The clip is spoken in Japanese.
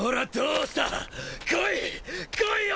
来いよ！